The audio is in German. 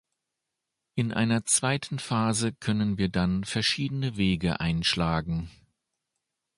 In einer zweiten Phase können wir dann verschiedene Wege einschlagen.